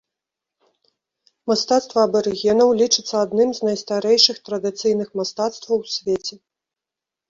Мастацтва абарыгенаў лічыцца адным з найстарэйшых традыцыйных мастацтваў у свеце.